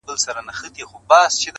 زه وايم دا.